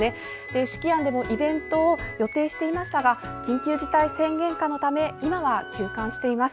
子規庵でもイベントを予定していましたが緊急事態宣言下のため今は休館しています。